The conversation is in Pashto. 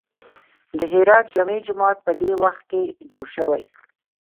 د هرات جامع جومات په دې وخت کې جوړ شوی.